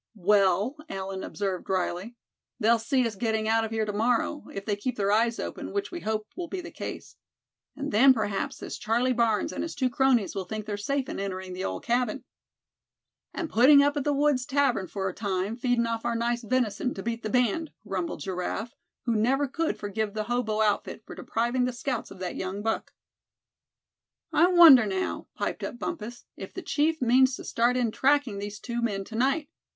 "Well," Allan observed, drily, "they'll see us getting out of here to morrow, if they keep their eyes open, which we hope will be the case. And then perhaps this Charlie Barnes and his two cronies will think they're safe in entering the old cabin." "And putting up at the woods' tavern for a time, feedin' off our nice venison, to beat the band," grumbled Giraffe, who never could forgive the hobo outfit for depriving the scouts of that young buck. "I wonder, now," piped up Bumpus, "if the chief means to start in tracking these two men tonight?